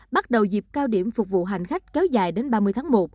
bắt đầu dịp cao điểm phục vụ hành khách kéo dài đến ba mươi tháng một